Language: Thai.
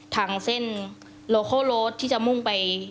ทางเส้นโลโคโรสที่จะมุ่งไป